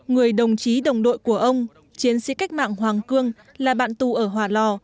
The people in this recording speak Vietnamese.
người đồng chí đồng đội của ông chiến sĩ cách mạng hoàng cương là bạn tù ở hòa lò